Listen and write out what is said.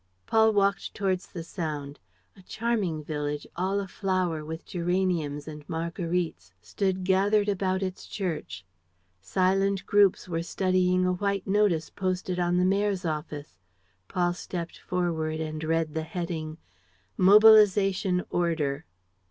Paul walked towards the sound. A charming village, all aflower with geraniums and Marguerites, stood gathered about its church. Silent groups were studying a white notice posted on the Mayor's office. Paul stepped forward and read the heading: "Mobilization Order."